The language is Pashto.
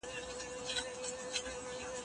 که ته په کار کي پاته راغلې نو بیا هڅه وکړه.